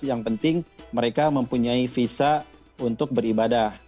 yang penting mereka mempunyai visa untuk beribadah